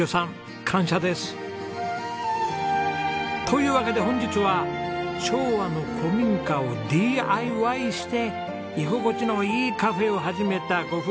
というわけで本日は昭和の古民家をＤＩＹして居心地のいいカフェを始めたご夫婦のお話です。